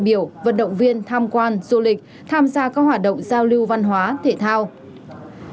biểu vận động viên tham quan du lịch tham gia các hoạt động giao lưu văn hóa thể thao